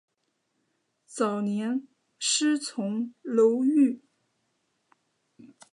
早年师从楼郁。